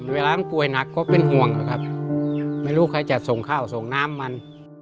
เวลามันป่วยหนักก็เป็นห่วงนะครับไม่รู้ใครจะส่งข้าวส่งน้ำมัน